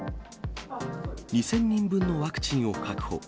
２０００人分のワクチンを確保。